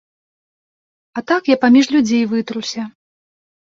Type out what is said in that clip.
А так я паміж людзей вытруся.